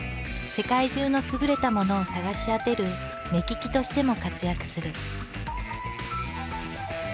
世界中の優れたものを探し当てる目利きとしても活躍する。